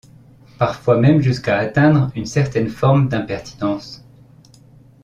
Parfois même jusqu'à atteindre une certaine forme d'impertinence.